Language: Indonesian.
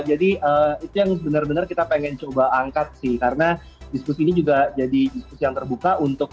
jadi itu yang benar benar kita pengen coba angkat sih karena diskusi ini juga jadi diskusi yang terbuka untuk